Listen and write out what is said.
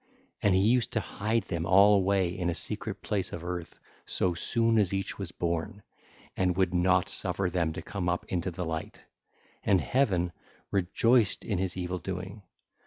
And he used to hide them all away in a secret place of Earth so soon as each was born, and would not suffer them to come up into the light: and Heaven rejoiced in his evil doing.